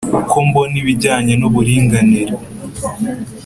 uko mbona ibijyanye n’uburinganire